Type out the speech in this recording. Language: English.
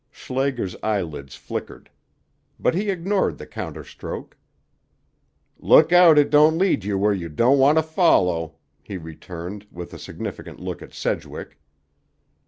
Schlager's eyelids flickered; but he ignored the counter stroke. "Look out it don't lead you where you won't want to follow," he returned, with a significant look at Sedgwick.